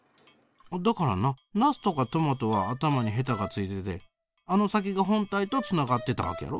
だからなナスとかトマトは頭にヘタが付いててあの先が本体とつながってたわけやろ？